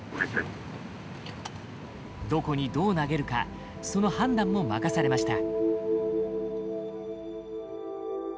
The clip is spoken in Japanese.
どこにどう投げるかその判断も任されました。